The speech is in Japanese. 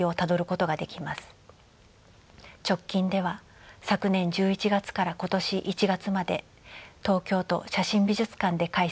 直近では昨年１１月から今年１月まで東京都写真美術館で開催されました。